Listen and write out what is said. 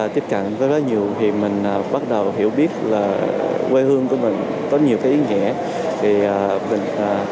tiếp cận với quá nhiều thì mình bắt đầu hiểu biết là quê hương của mình có nhiều cái ý nghĩa thì mình